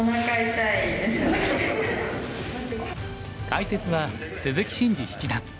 解説は鈴木伸二七段。